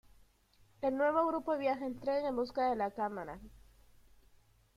El nuevo grupo viaja en tren en busca de La Cámara.